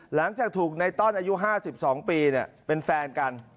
หลังจากถูกในต้อนอายุ๕๒ปีเป็นแฟนกัน